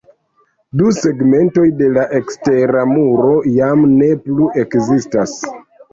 Du segmentoj de la ekstera muro jam ne plu ekzistas.